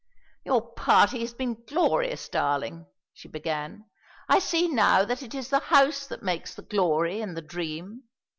"Your party has been glorious, darling!" she began. "I see now that it is the house that makes the glory and the dream.